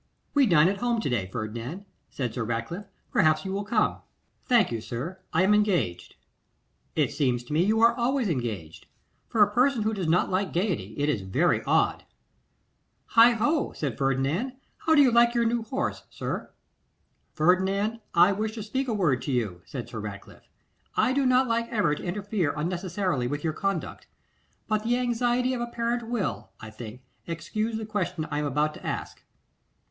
'We dine at home to day, Ferdinand,' said Sir Ratcliffe. 'Perhaps you will come.' 'Thank you, sir, I am engaged.' 'It seems to me you are always engaged. For a person who does not like gaiety, it is very odd.' 'Heigho!' said Ferdinand. 'How do you like your new horse, sir?' 'Ferdinand, I wish to speak a word to you,' said Sir Ratcliffe. 'I do not like ever to interfere unnecessarily with your conduct; but the anxiety of a parent will, I think, excuse the question I am about to ask.